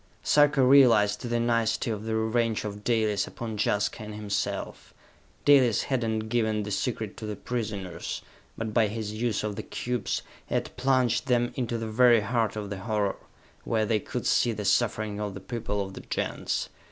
Sarka realized the nicety of the revenge of Dalis upon Jaska and himself. Dalis had not given the secret to the prisoners, but by his use of the cubes, he had plunged them into the very heart of the horror, where they could see the suffering of the people of the Gens.